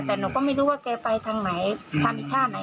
แต่หนูก็ไม่รู้ว่าแกไปทางไหนทำอีกท่าไหน